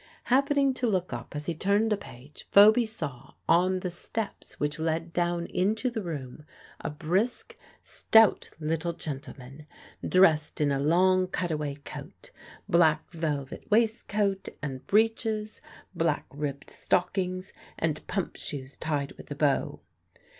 Happening to look up as he turned a page, Phoby saw, on the steps which led down into the room, a brisk, stout little gentleman, dressed in a long, cutaway coat, black velvet waistcoat and breeches, black ribbed stockings, and pump shoes tied with a bow.